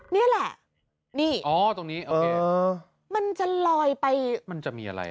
นี่แหละนี่อ๋อตรงนี้โอเคมันจะลอยไปมันจะมีอะไร